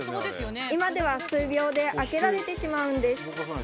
今では数秒で開けられてしまうんです